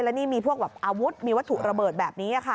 และนี่มีพวกแบบอาวุธมีวัตถุระเบิดแบบนี้ค่ะ